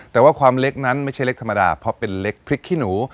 แต่ว่าความเล็กนั้นไม่ใช่เล็กธรรมดาเพราะเป็นเล็กพริกขี้หนู